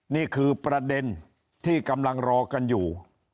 นี่คือประเด็นที่กำลังรอกันอยู่